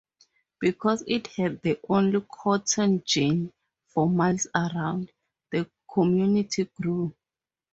Because it had the only cotton gin for miles around, the community grew.